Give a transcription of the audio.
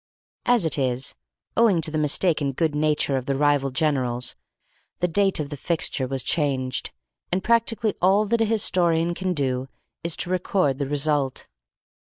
As it is, owing to the mistaken good nature of the rival generals, the date of the fixture was changed, and practically all that a historian can do is to record the result.